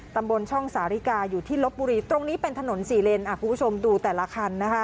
ตำบลช่องสาริกาอยู่ที่ลบบุรีตรงนี้เป็นถนนสี่เลนคุณผู้ชมดูแต่ละคันนะคะ